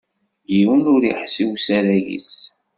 Yiwen ur iḥess i usarag-is.